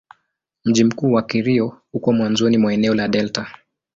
Mji mkuu wa Kairo uko mwanzoni mwa eneo la delta.